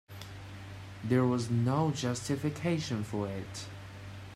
There was no justification for it.